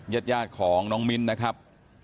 ญาติของน้องมิ้นนะครับ